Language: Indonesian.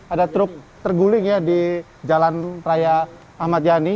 ada truk terguling ya di jalan raya ahmad yani